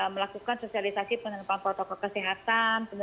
melakukan sosialisasi penerapan protokol kesehatan